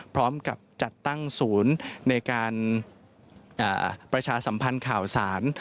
พร้อมกับจัดตั้งศูนย์ในการประชาสัมพันธ์ข่าวสาร